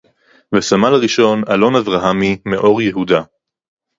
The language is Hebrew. וסמל-ראשון אלון אברהמי מאור-יהודה